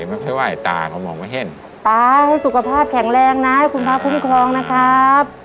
ไม่ค่อยไหว้ตาเขามองไม่เห็นตาให้สุขภาพแข็งแรงนะให้คุณพระคุ้มครองนะครับ